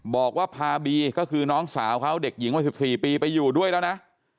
บอกว่าพาบีก็คือน้องสาวเขาเด็กหญิงวัย๑๔ปีไปอยู่ด้วยแล้วนะ